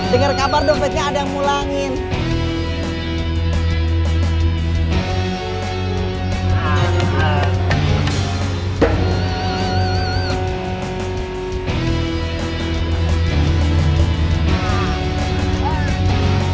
dengar kabar domesnya ada yang mulangin